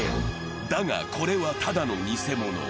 だが、これは、ただの偽物。